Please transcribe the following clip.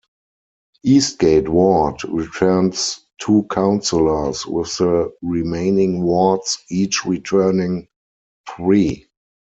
Eastgate ward returns two councillors, with the remaining wards each returning three.